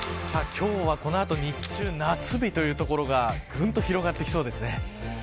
今日はこの後日中、夏日という所がぐんと広がってきそうです。